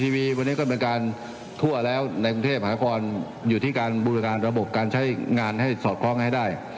วันนี้ก็เป็นการทั่วแล้วในกรุงเทพหาครอยู่ที่การบริการระบบการใช้งานให้สอดคล้องให้ได้